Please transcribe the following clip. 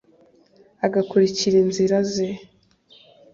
agakurikira inzira ze